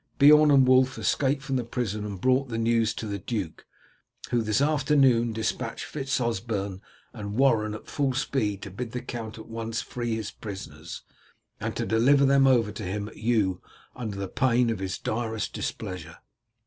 Beorn and Wulf escaped from the prison and brought the news to the duke, who this afternoon dispatched Fitz Osberne and Warren at full speed to bid the count at once free his prisoners, and deliver them over to him at Eu under pain of his direst displeasure."